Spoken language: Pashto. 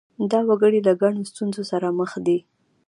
دا وګړي له ګڼو ستونزو سره مخ دي.